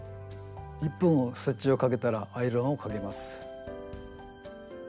１本ステッチをかけたらアイロンをかけます。